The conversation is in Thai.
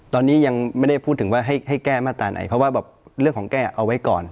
ตอนนี้ยังไม่ได้พูดถึงว่าให้แก้มาตราไหนเพราะว่าแบบเรื่องของแก้เอาไว้ก่อน